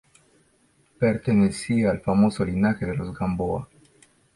Pertenecía al famoso linaje de los Gamboa.